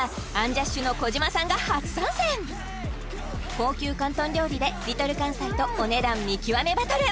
高級広東料理でＬｉｌかんさいとお値段見極めバトル！